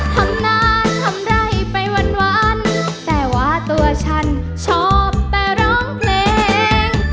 ทำงานทำไร่ไปวันแต่ว่าตัวฉันชอบแต่ร้องเพลง